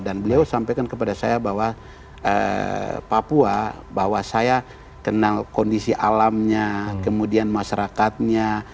dan beliau sampaikan kepada saya bahwa papua bahwa saya kenal kondisi alamnya kemudian masyarakatnya